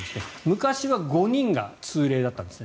昔は５人が通例だったんですね。